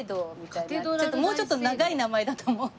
もうちょっと長い名前だと思うんですけど。